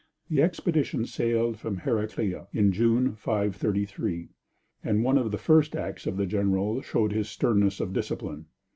The expedition sailed from Heraclea in June, 533, and one of the first acts of the general showed his sternness of discipline.